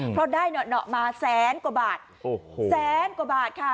เพราะได้เหนาะมาแสนกว่าบาทโอ้โหแสนกว่าบาทค่ะ